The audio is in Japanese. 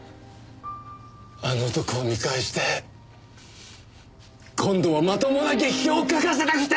あの男を見返して今度はまともな劇評を書かせたくて！